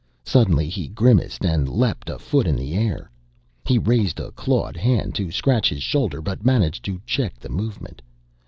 Suddenly he grimaced and leaped a foot in the air. He raised a clawed hand to scratch his shoulder but managed to check the movement.